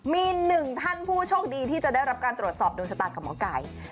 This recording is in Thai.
มีหนึ่งท่านผู้โชคดีที่จะได้รับการตรวจสอบดวงชะตากับหมอไก่